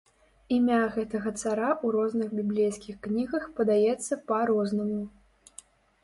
Імя гэтага цара ў розных біблейскіх кнігах падаецца па-рознаму.